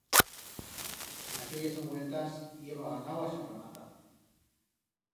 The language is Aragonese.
En aquellas envueltas i heba ganau a xarramata.